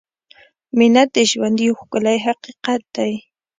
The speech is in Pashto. • مینه د ژوند یو ښکلی حقیقت دی.